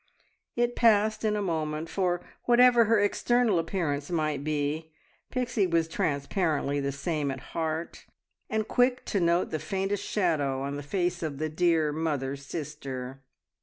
It passed in a moment, for whatever her external appearance might be, Pixie was transparently the same at heart, and quick to note the faintest shadow on the face of the dear mother sister.